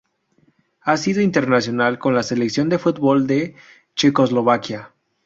Ha sido internacional con la Selección de fútbol de Checoslovaquia.